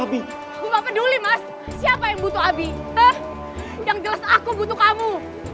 abi siapa yang butuh abi aku butuh kamu